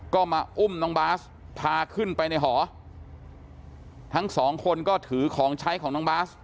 ก็มาอุ้มน้องบาสพาขึ้นไปในหอทั้งสองคนก็ถือของใช้ของน้องบาส